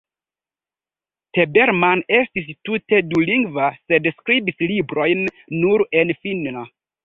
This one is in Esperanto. Tabermann estis tute dulingva sed skribis librojn nur en finna.